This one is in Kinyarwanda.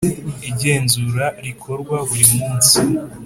Igenzura rikorwa burimunsi.